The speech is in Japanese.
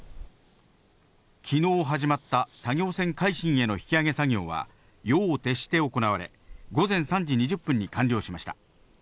昨日始まった作業船「海進」への引き揚げ作業は夜を徹して行われ、午前３時２０分に完了しました。